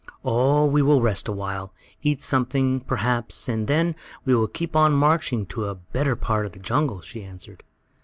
"Oh, we will rest a while, eat something, perhaps, and then we will keep on marching to a better part of the jungle," she answered.